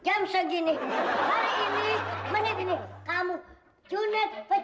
jangan bisa gini hari ini menit ini kamu cunek pecat